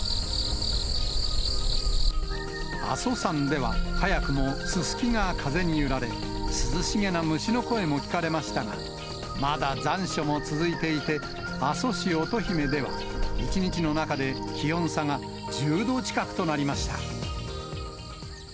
阿蘇山では、早くもススキが風に揺られ、涼しげな虫の声も聞かれましたが、まだ残暑も続いていて、阿蘇市乙姫では、１日の中で気温差が１０度近くとなりました。